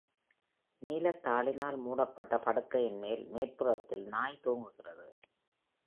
நீல தாளினால் மூடப்பட்ட படுக்கையின் மேல்புறத்தில் நாய் தூங்குகிறது.